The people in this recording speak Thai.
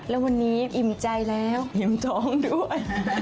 แล้ววันนี้อิ่มใจแล้วอิ่มท้องด้วย